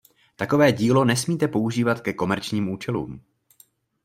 Takové dílo nesmíte používat ke komerčním účelům.